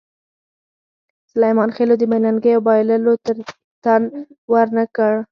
سلیمان خېلو د بې ننګۍ او بایللو ته تن ور نه کړ.